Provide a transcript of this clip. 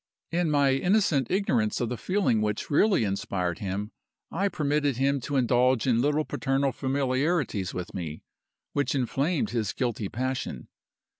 In my innocent ignorance of the feeling which really inspired him, I permitted him to indulge in little paternal familiarities with me, which inflamed his guilty passion.